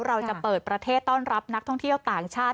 เราจะเปิดประเทศต้อนรับนักท่องเที่ยวต่างชาติ